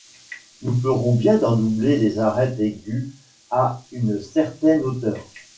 Nous ferons bien d’en doubler les arêtes aiguës à une certaine hauteur.